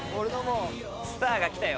スターが来たよ。